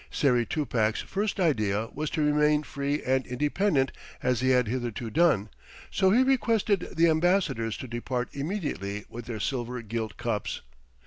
Sayri Tupac's first idea was to remain free and independent as he had hitherto done, so he requested the ambassadors to depart immediately with their silver gilt cups.